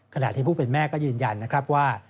ขณะที่ผู้เป็นแม่ก็ยืนยันนะครับว่า